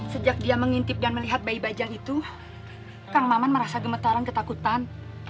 sejak dia mengintip dan melihat bayi baja itu kang maman merasa gemetaran ketakutan